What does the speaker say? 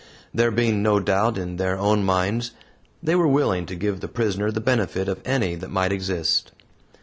There being no doubt in their own minds, they were willing to give the prisoner the benefit of any that might exist.